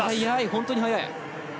本当に速い。